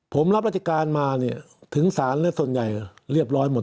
ผมรับราชการมาเนี่ยถึงศาลและส่วนใหญ่เรียบร้อยหมด